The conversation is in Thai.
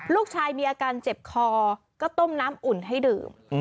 ลูกชายมีอาการเจ็บคอก็ต้มน้ำอุ่นให้ดื่ม